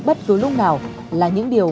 bất cứ lúc nào là những điều